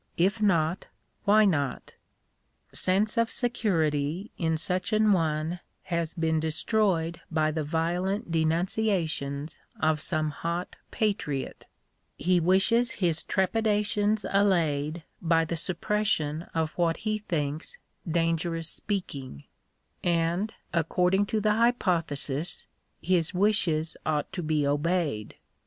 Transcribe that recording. If not, why not ?" Sense of security" in such an one has been destroyed by the violent denunciations of some hot patriot; he wishes his trepi dations allayed by the suppression of what he thinks dangerous speaking ; and, according to the hypothesis, his wishes ought to be obeyed.